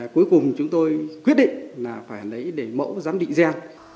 cuối cùng chúng tôi quyết định là phải lấy để mẫu giám địa